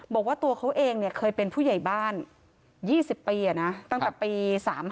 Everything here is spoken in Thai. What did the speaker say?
บอกว่าตัวเขาเองเคยเป็นผู้ใหญ่บ้าน๒๐ปีตั้งแต่ปี๓๕